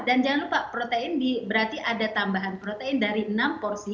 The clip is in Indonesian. dan jangan lupa protein di berarti ada tambahan protein dari enam porsi